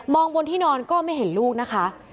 บนที่นอนก็ไม่เห็นลูกนะคะ